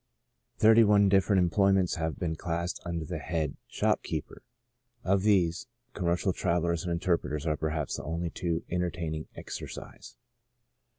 Thirty one different employments have been 1^8 ON THE ABUSE OF ALCOHOL classed under the head shopkeeper; of these, commercial travellers and interpreters are perhaps the only two entail ing exercise.